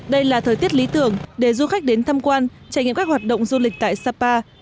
đây là thời tiết lý tưởng để du khách đến tham quan trải nghiệm các hoạt động du lịch tại sapa